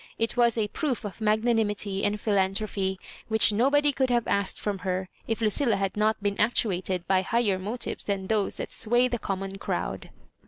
It was a proof of magnanimity and philanthropy which nobody could have ask ed from her, if Lucilla had not been actuated by higher motives than those that sway the com mon crowd.